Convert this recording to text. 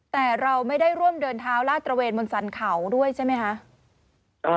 แต่เราไม่ได้ร่วมเดินเท้าลาดตระเวนบนสรรเขาด้วยใช่ไหมคะ